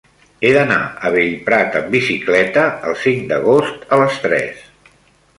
He d'anar a Bellprat amb bicicleta el cinc d'agost a les tres.